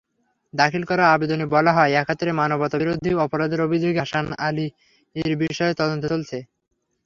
দাখিল করা আবেদনে বলা হয়, একাত্তরে মানবতাবিরোধী অপরাধের অভিযোগে হাসান আলীরবিষয়ে তদন্ত চলছে।